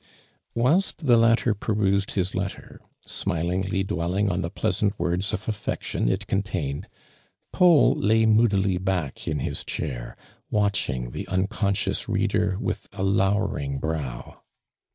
Whilst the latter perused his letter, smilii>gly dwelhug on the pleasant words of affection it contained, Paul lay moodily back in his chair, watching the unconscious read er with a lowering brow.